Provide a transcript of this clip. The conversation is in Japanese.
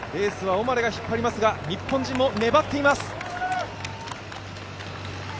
レースはオマレが引っ張りますが日本人も粘っています。